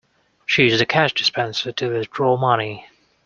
She used a cash dispenser to withdraw money